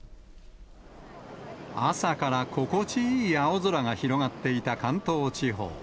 朝から心地いい青空が広がっていた関東地方。